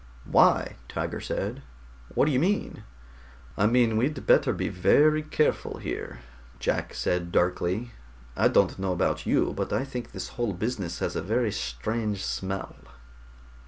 "Why?" Tiger said. "What do you mean?" "I mean we'd better be very careful here," Jack said darkly. "I don't know about you, but I think this whole business has a very strange smell."